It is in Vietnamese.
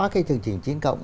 cái chương trình chín cộng